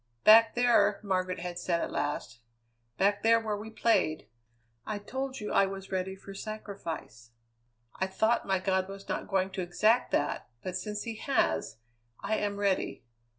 "Back there," Margaret had said at last, "back there where we played, I told you I was ready for sacrifice. I thought my God was not going to exact that, but since he has, I am ready.